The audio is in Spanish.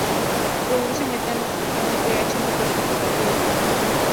Produce metano a un pH más bajo que cualquier otro organismo.